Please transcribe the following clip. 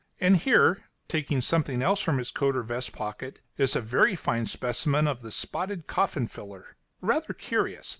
And here," taking something else from his coat or vest pocket, "is a very fine specimen of the spotted coffin filler, rather curious.